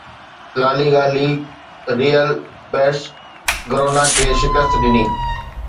La Liga league Real Betis Girona کي شڪست ڏني